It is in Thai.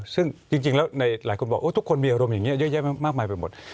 ซึ่งจริงแล้วในหลายคนบอกทุกคนมีอารมณ์อย่างนี้เยอะแยะมากมายไปหมด